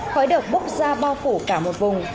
khói đậu bốc ra bao phủ cả một vùng